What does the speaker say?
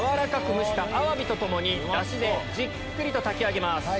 蒸したアワビと共にダシでじっくりと炊き上げます。